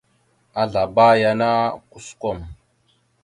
Azlaba yana kusəkom.